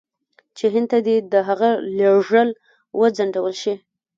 چې هند ته دې د هغه لېږل وځنډول شي.